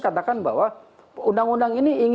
katakan bahwa undang undang ini